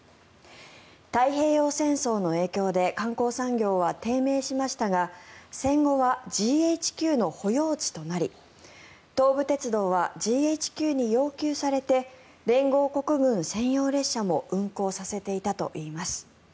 太平洋戦争の影響で観光産業は低迷しましたが戦後はＧＨＱの保養地となり東武鉄道はＧＨＱに要求されて連合国軍専用列車も運行させていたといいます。